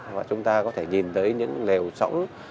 và chúng ta có thể nhìn thấy những nèo trõng